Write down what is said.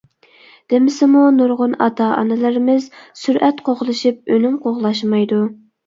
دېمىسىمۇ نۇرغۇن ئاتا-ئانىلىرىمىز سۈرئەت قوغلىشىپ ئۈنۈم قوغلاشمايدۇ.